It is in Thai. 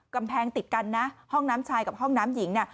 กำแพงติดกันนะห้องน้ำชายกับห้องน้ำหญิงเนี่ย